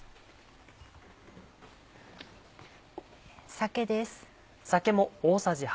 酒です。